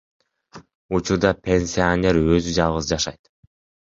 Учурда пенсионер өзү жалгыз жашайт.